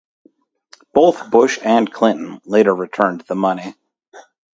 Both Bush and Clinton later returned the money.